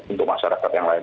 untuk masyarakat yang lain